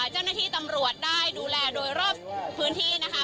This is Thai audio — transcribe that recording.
เจ้าหน้าที่ตำรวจได้ดูแลโดยรอบพื้นที่นะคะ